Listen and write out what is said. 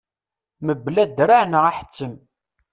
Mebla draɛ neɣ aḥettem.